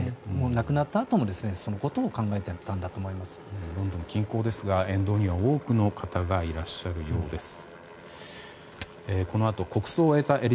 亡くなったあともそのことを考えてあったんだとロンドンの近郊ですが、沿道には多くの方がいらっしゃるようです。